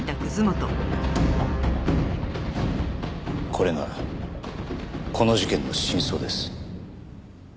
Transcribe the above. これがこの事件の真相です。